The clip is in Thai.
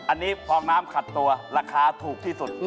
อันนี้พองน้ำขัดตัวราคาถูกที่สุด